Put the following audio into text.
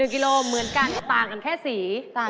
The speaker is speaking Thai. กิโลเหมือนกันต่างกันแค่สี